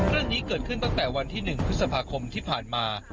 เรื่องนี้เกิดขึ้นตั้งแต่วันที่๑พฤษภาคมที่ผ่านมา